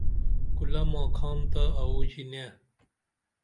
کُلہ ماکھام تہ اوو ژینے